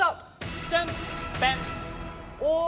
お。